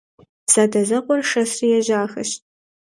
Задэзэкъуэр шэсри ежьахэщ.